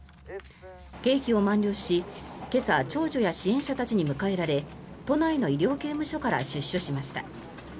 刑期を満了し今朝、長女や支援者たちに迎えられ都内の医療刑務所から出所しました。